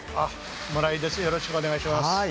よろしくお願いします。